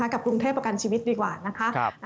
กับกรุงเทพประกันชีวิตดีกว่านะคะ